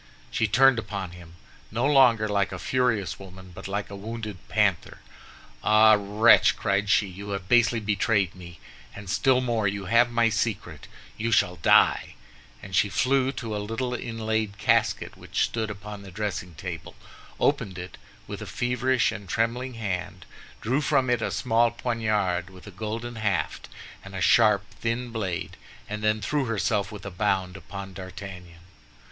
She turned upon him, no longer like a furious woman, but like a wounded panther. "Ah, wretch!" cried she, "you have basely betrayed me, and still more, you have my secret! You shall die." And she flew to a little inlaid casket which stood upon the dressing table, opened it with a feverish and trembling hand, drew from it a small poniard, with a golden haft and a sharp thin blade, and then threw herself with a bound upon D'Artagnan.